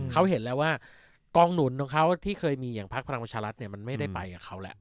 กลางนุนของเขาที่เคยมีอย่างภาพพลังประชาลัฐเนี่ยมันไม่ได้ไปกับเขาแหละ